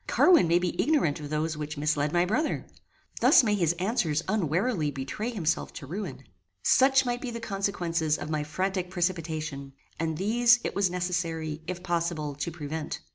Carwin may be ignorant of those which misled my brother. Thus may his answers unwarily betray himself to ruin. Such might be the consequences of my frantic precipitation, and these, it was necessary, if possible, to prevent.